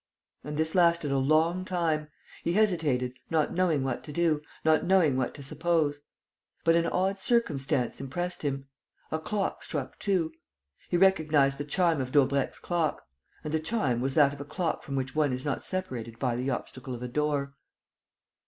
And this lasted a long time. He hesitated, not knowing what to do, not knowing what to suppose. But an odd circumstance impressed him. A clock struck two. He recognized the chime of Daubrecq's clock. And the chime was that of a clock from which one is not separated by the obstacle of a door.